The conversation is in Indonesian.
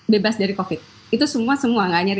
bebas dari covid itu semua semua